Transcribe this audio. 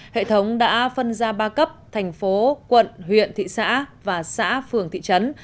hệ thống đã phân ra ba cấp thành phố quận huyện thị xã và xã phường thị trấn